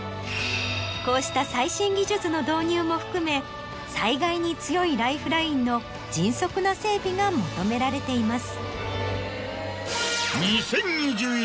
こうした最新技術の導入も含め災害に強いライフラインの迅速な整備が求められています。